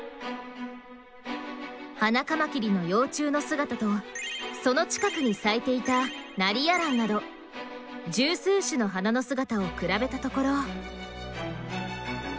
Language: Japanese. ハナカマキリの幼虫の姿とその近くに咲いていたナリヤランなど十数種の花の姿を比べたところ。